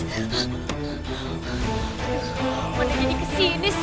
aduh mana jadi kesini sih